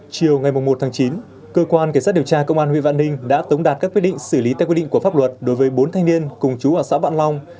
chiều ngày một tháng chín cơ quan cảnh sát điều tra công an huyện vạn ninh đã tống đạt các quyết định xử lý theo quy định của pháp luật đối với bốn thanh niên cùng chú ở xã vạn long